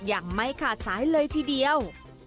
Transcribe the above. อย่างไม่ขาดสายเลยทีเดียว